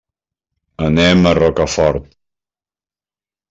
Anem a Rocafort.